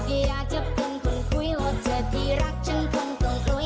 อยากจะเป็นคนคุยว่าเธอที่รักฉันคงต้องคุย